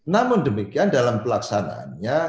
namun demikian dalam pelaksanaannya